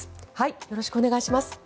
よろしくお願いします。